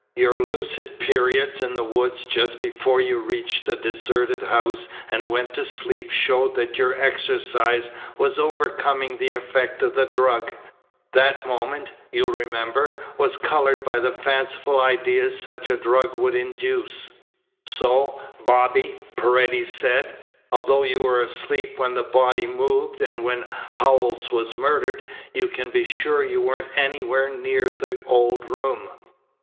Your lucid period in the woods just before you reached the deserted house and went to sleep showed that your exercise was overcoming the effect of the drug. That moment, you'll remember, was coloured by the fanciful ideas such a drug would induce." "So, Bobby," Paredes said, "although you were asleep when the body moved and when Howells was murdered, you can be sure you weren't anywhere near the old room."